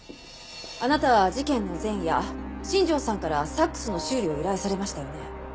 あなたは事件の前夜新庄さんからサックスの修理を依頼されましたよね？